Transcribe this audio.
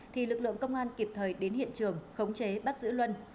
thì lực lượng công an kịp thời đến hiện trường khống chế bắt giữ luân